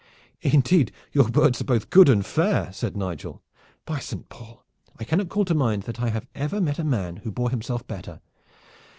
"Indeed, your words are both good and fair," said Nigel. "By Saint Paul! I cannot call to mind that I have ever met a man who bore himself better.